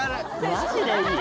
マジでいい。